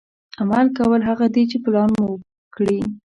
عمل کول هغه دي چې پلان مو کړي.